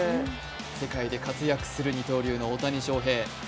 世界で活躍する二刀流の大谷翔平。